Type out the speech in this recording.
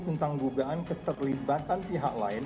tentang dugaan keterlibatan pihak lain